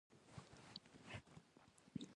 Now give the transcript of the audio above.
• بخښل مهرباني ده.